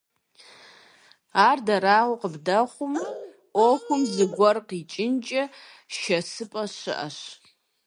Ар дарэгъу къыбдэхъумэ, Ӏуэхум зыгуэр къикӀынкӀэ шэсыпӀэ щыӀэщ.